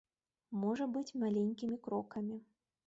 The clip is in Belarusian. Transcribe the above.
Можа быць маленькімі крокамі.